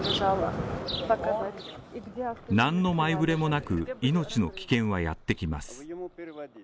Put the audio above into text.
何の前触れもなく命の危険はやってきます